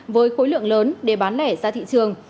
với khối lượng lớn để bán lẻ ra thị trường